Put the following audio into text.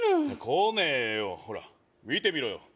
来ねえよほら見てみろよ